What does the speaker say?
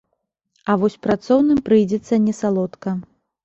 А вось працоўным прыйдзецца несалодка.